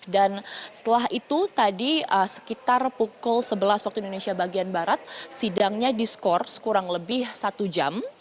dan setelah itu tadi sekitar pukul sebelas waktu indonesia bagian barat sidangnya diskor kurang lebih satu jam